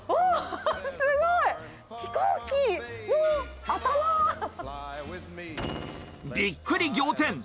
すごい。びっくり仰天。